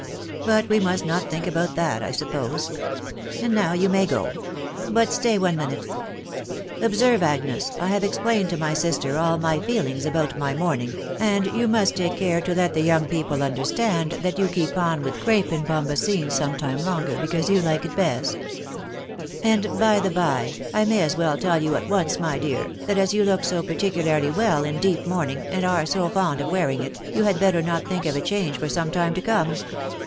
But we must not think about that, I suppose. •.. And, now you may go ;.... but stay one minute. Observe, Agnes, I have explained to my sister all my feelings about my mourning, and you must take care to let the young people understand that you keep on with crape and bombasin some time longer, because you like it best. .•. And, by the by, I may as well tell you at once, my dear, that as you look so particularly well in deep mourning, and are so fond of wearing it, you had better not think of a change for some time to come.